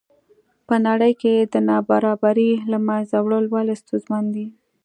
په نړۍ کې د نابرابرۍ له منځه وړل ولې ستونزمن دي.